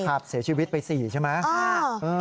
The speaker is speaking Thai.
เสียชีวิตไป๔ใช่ไหม